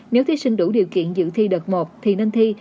nếu thí sinh đủ điều kiện dự thi đợt một thì nên thi